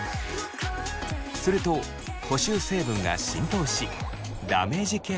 すると補修成分が浸透しダメージケアになるといいます。